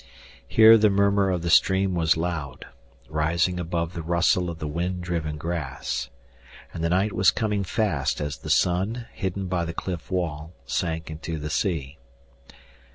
Here the murmur of the stream was loud, rising above the rustle of the wind driven grass. And the night was coming fast as the sun, hidden by the cliff wall, sank into the sea.